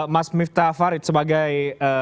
mas miftah farid sebagai